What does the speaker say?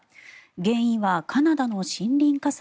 原因はカナダの森林火災。